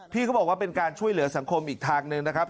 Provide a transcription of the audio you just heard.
เขาบอกว่าเป็นการช่วยเหลือสังคมอีกทางหนึ่งนะครับ